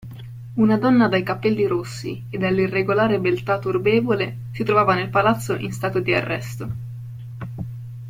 Una donna dai capelli rossi e dall'irregolare beltà turbevole si trovava nel palazzo in stato di arresto.